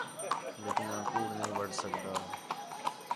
لیکن آں کُوڑ نہیں وڈھ سڳدا